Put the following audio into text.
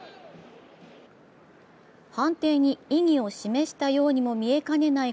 判定に異議を示したようにも見えかねない